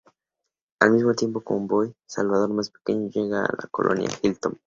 Al mismo tiempo, un convoy Salvador más pequeño llega a la colonia Hilltop.